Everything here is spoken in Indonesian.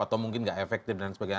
atau mungkin nggak efektif dan sebagainya